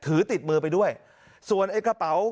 ถือติดมือไปด้วยส่วนไอ้กระเป๋า